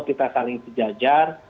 kita saling sejajar